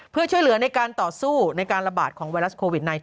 เพื่อช่วยเหลือในการต่อสู้ในการระบาดของไวรัสโควิด๑๙